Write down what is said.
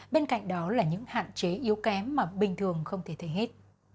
bên cạnh đó là những hạn chế yếu kém mà bình thường không thể thấy hết